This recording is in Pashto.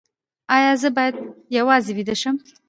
ایا زه باید یوازې ویده شم؟